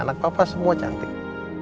anak papa semua cantik